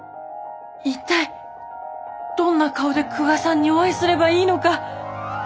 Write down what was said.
一体どんな顔で久我さんにお会いすればいいのか。